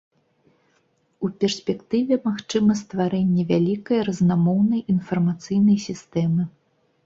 У перспектыве магчыма стварэнне вялікай разнамоўнай інфармацыйнай сістэмы.